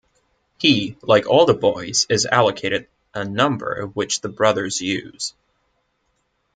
He, like all the boys, is allocated a number which the brothers use.